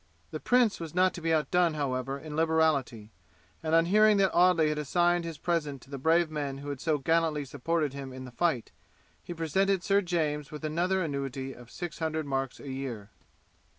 The prince was not to be outdone, however, in liberality, and on hearing that Audley had assigned his present to the brave men who had so gallantly supported him in the fight, he presented Sir James with another annuity of six hundred marks a year.